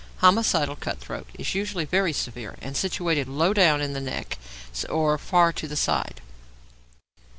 Homicidal cut throat is usually very severe and situated low down in the neck or far to the side.